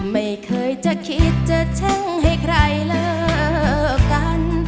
ไม่เคยจะคิดจะแช่งให้ใครเลิกกัน